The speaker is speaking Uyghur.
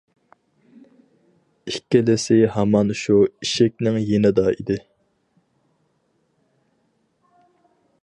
ئىككىلىسى ھامان شۇ ئىشىكنىڭ يېنىدا ئىدى.